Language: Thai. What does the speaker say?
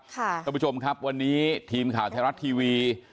คุณผู้ชมครับวันนี้ทีมข่าวไทยรัฐทีวี